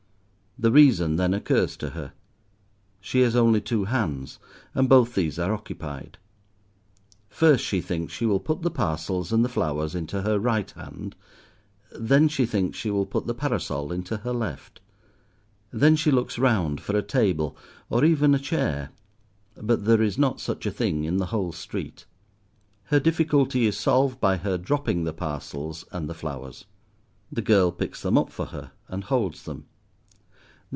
The reason then occurs to her: she has only two hands and both these are occupied. First she thinks she will put the parcels and the flowers into her right hand, then she thinks she will put the parasol into her left. Then she looks round for a table or even a chair, but there is not such a thing in the whole street. Her difficulty is solved by her dropping the parcels and the flowers. The girl picks them up for her and holds them.